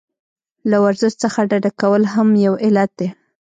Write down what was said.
له ورزش څخه ډډه کول هم یو علت دی.